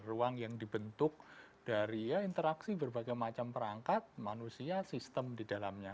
ruang yang dibentuk dari ya interaksi berbagai macam perangkat manusia sistem di dalamnya